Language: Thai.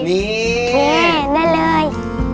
นี่โอเคได้เลย